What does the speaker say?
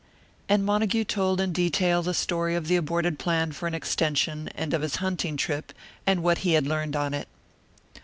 And Montague told in detail the story of the aborted plan for an extension, and of his hunting trip, and what he had learned on it.